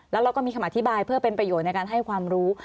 แล้วเราก็มีคำอธิบายเพื่อเป็นประโยชน์ในการให้ความรู้